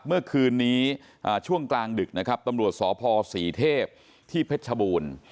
เมื่อคืนนี้ช่วงกลางดึกนะครับตำรวจสพศรีเทพที่เพชรชบูรณ์